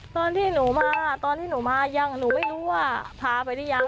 ตอนที่หนูมาตอนที่หนูมายังหนูไม่รู้ว่าพาไปหรือยัง